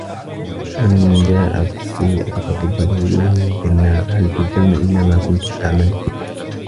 وَمَن جاءَ بِالسَّيِّئَةِ فَكُبَّت وُجوهُهُم فِي النّارِ هَل تُجزَونَ إِلّا ما كُنتُم تَعمَلونَ